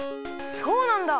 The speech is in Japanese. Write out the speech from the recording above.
そうなんだ！